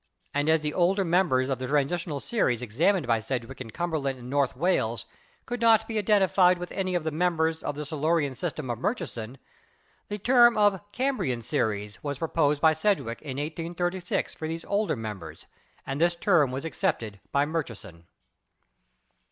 And as the older members of the Transitional series examined by Sedgwick in Cumberland and North Wales could not be identified with any of the members in the Silurian system of Murchison, the term of "Cambrian Series" was pro posed by Sedgwick in 1836 for these older members, and this term was accepted by Murchison.